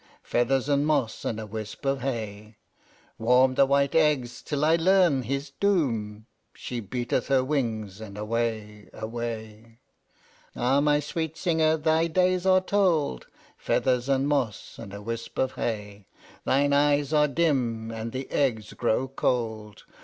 Feathers and moss, and a wisp of hay, Warm the white eggs till I learn his doom." She beateth her wings, and away, away. "Ah, my sweet singer, thy days are told (Feathers and moss, and a wisp of hay)! Thine eyes are dim, and the eggs grow cold.